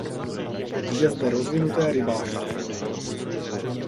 Je zde rozvinuté rybářství.